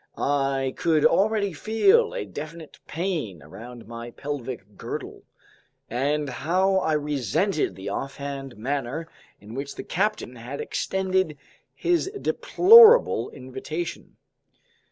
I could already feel a definite pain around my pelvic girdle. And how I resented the offhand manner in which the captain had extended his deplorable invitation!